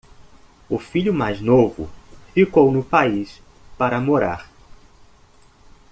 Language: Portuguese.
O filho mais novo ficou no país para morar